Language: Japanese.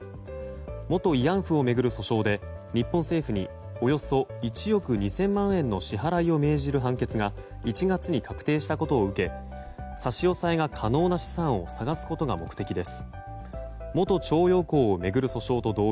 元慰安婦を巡る訴訟で日本政府におよそ１億２０００万円の支払いを命じる判決が１月に確定したことを受けアメリカ中西部の化学工場で大規模な爆発が起きました。